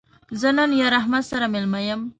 زه نن یار احمد سره مېلمه یم